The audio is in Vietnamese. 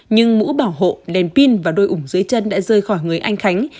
nhưng mũ bảo hộ đèn pin và đôi ủng dưới chân đã rơi khỏi người anh khánh